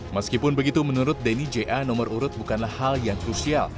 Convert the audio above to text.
meskipun begitu menurut denny ja nomor urut bukanlah hal yang krusial